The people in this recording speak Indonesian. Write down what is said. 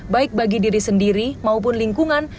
baik bagi diri sendiri maupun lingkungan